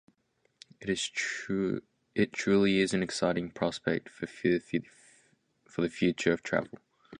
It truly is an exciting prospect for the future of travel.